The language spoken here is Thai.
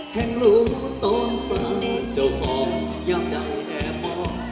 แห่งรู้ต้นสร้างเจ้าของย้ำใดแม่มอง